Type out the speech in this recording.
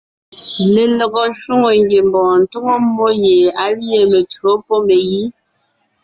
Lelɔgɔ shwòŋo ngiembɔɔn tóŋo mmó gie á lîe mentÿǒ pɔ́ megǐ.